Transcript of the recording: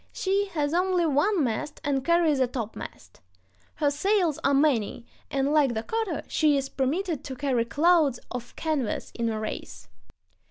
She has only one mast and carries a topmast. Her sails are many, and, like the cutter, she is permitted to carry clouds of canvas in a race.